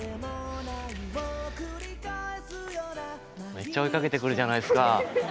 めっちゃ追いかけてくるじゃないですか。